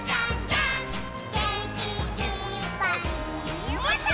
「げんきいっぱいもっと」